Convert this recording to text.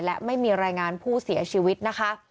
และไม่มีรายงานผู้เสียชีวิตนะคะ